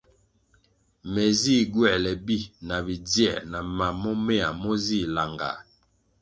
Me zih gywoēle bi na bidzie na mam momeya mo zih langah.